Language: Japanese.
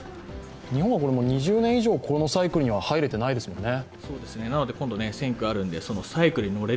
日本は２０年以上、このサイクルには入れてないですよね。